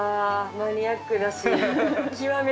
マニアックだし極め